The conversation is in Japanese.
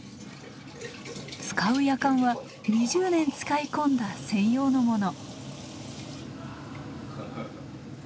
使うやかんは２０年使い込んだ専用のもの。